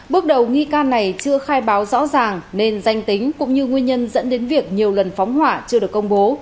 bước đầu nghi can này chưa khai báo rõ ràng nên danh tính cũng như nguyên nhân dẫn đến việc nhiều lần phóng hỏa chưa được công bố